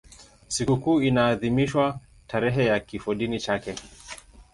Sikukuu inaadhimishwa tarehe ya kifodini chake.